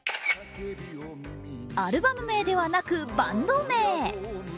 アルバム名ではなく、バンド名。